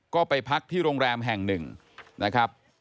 ก็ไปพักที่โรงแรมแห่งหนึ่งนะครับ